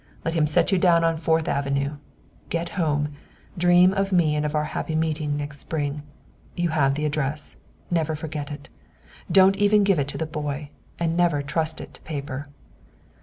Let him set you down on Fourth Avenue. Get home, dream of me and of our happy meeting next spring. You have the address. Never forget it. Don't even give it to the boy. And never trust it to paper."